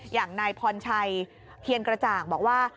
อย่างนายพรชัยเพียรกระจ่างบอกว่า